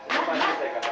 mbak apa sih